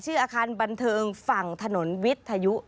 อาคารบันเทิงฝั่งถนนวิทยุ